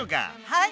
はい！